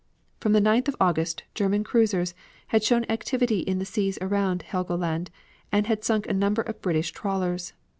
From the 9th of August German cruisers had shown activity in the seas around Helgoland and had sunk a number of British trawlers.